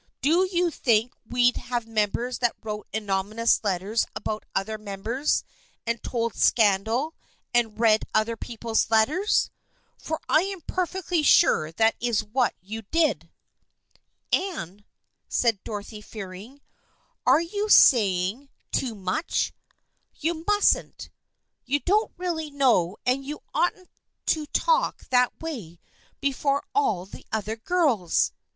Do you think we'd have members that wrote anonymous letters about other members, and told scandal, and read other people's letters f For I am perfectly sure that is what you did." " Anne," said Dorothy Fearing, " you are saying 254 THE FRIENDSHIP OF ANNE too much. You mustn't. You don't really know and you oughtn't to talk that way before all the other girls."